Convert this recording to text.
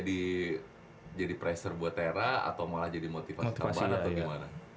itu jadi pressure buat tera atau malah jadi motivasi terbaru atau gimana